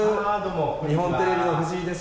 日本テレビの藤井です。